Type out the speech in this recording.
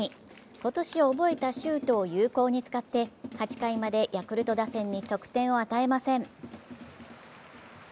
今年覚えたシュートを有効に使って、８回までヤクルト打線に得点を与えません。